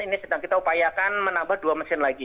ini sedang kita upayakan menambah dua mesin lagi